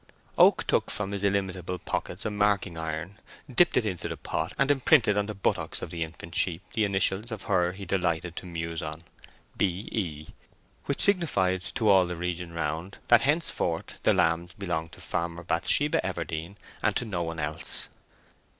Oak took from his illimitable pockets a marking iron, dipped it into the pot, and imprinted on the buttocks of the infant sheep the initials of her he delighted to muse on—"B. E.," which signified to all the region round that henceforth the lambs belonged to Farmer Bathsheba Everdene, and to no one else.